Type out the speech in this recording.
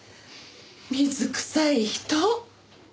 水臭い人！